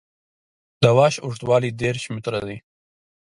د واش اوږدوالی دېرش متره دی